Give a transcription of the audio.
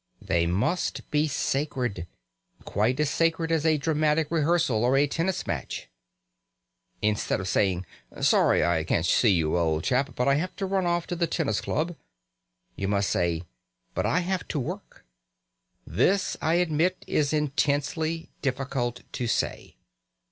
They must be sacred, quite as sacred as a dramatic rehearsal or a tennis match. Instead of saying, "Sorry I can't see you, old chap, but I have to run off to the tennis club," you must say, "...but I have to work." This, I admit, is intensely difficult to say.